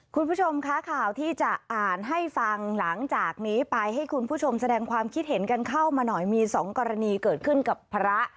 คุณผู้ชมคะข่าวที่จะอ่านให้ฟังหลังจากนี้ไปให้คุณผู้ชมแสดงความคิดเห็นกันเข้ามาหน่อยมี๒กรณีเกิดขึ้นกับพระ